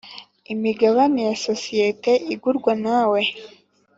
imigabane ya sosiyete igurwa nawe